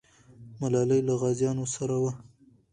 ملالۍ له غازیانو سره وه.